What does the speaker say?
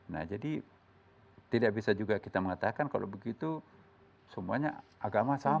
nah jadi tidak bisa juga kita mengatakan kalau begitu semuanya agama sama